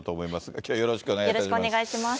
きょうよろしくお願いします。